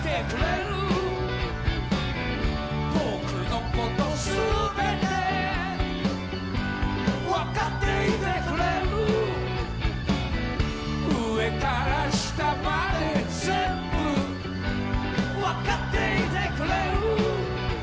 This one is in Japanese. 「僕の事すべてわかっていてくれる」「上から下まで全部わかっていてくれる」